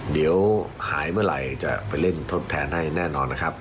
เดี๋ยวหายเมื่อไหร่จะไปเล่นทดแทนให้แน่นอนนะครับ